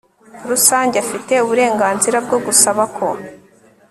rusange afite uburenganzira bwo gusaba ko